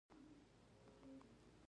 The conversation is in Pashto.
ناڅاپه امیر صېب ټق ټق پۀ خندا شۀ ـ